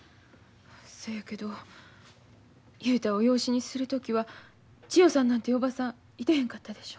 そやけど雄太を養子にする時は千代さんなんていうおばさんいてへんかったでしょ？